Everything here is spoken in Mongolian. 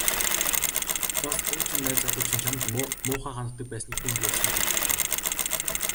Бас хуучин найз залуу чинь чамд ямар муухай ханддаг байсныг түүнд ярьсны хэрэггүй.